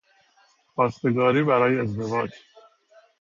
خواستگاری برای ازدواج